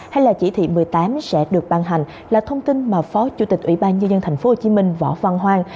hay là chỉ thị một mươi tám sẽ được ban hành là thông tin mà phó chủ tịch ủy ban nhân dân tp hcm võ văn hoang